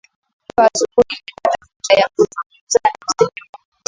leo asubuhi nilipata fursa ya kuzungumza na mkazi mmoja